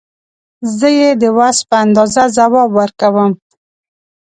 زه یې د وس په اندازه ځواب ورکوم.